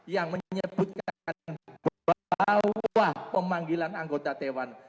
yang menyebutkan bahwa pemanggilan anggota dewan